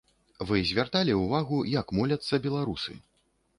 Вы звярталі ўвагу, як моляцца беларусы?